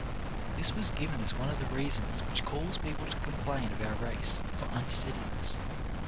This was given as one of the reasons which cause people to complain of our race for unsteadiness.